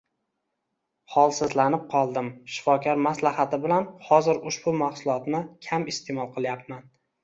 Holsizlanib qoldim, shifokor maslahati bilan hozir ushbu mahsulotni kam iste’mol qilyapman.